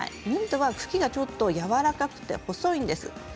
ミントは茎がちょっとやわらかくて細いです。